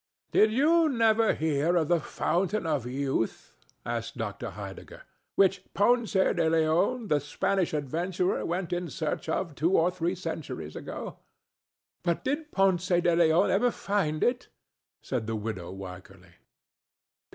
"Did you never hear of the Fountain of Youth?" asked Dr. Heidegger, "which Ponce de Leon, the Spanish adventurer, went in search of two or three centuries ago?" "But did Ponce de Leon ever find it?" said the widow Wycherly.